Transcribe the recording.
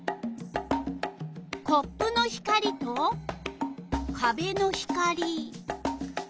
コップの光とかべの光。